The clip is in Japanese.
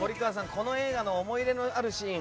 この映画の思い出のあるシーン